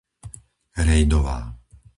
Rejdová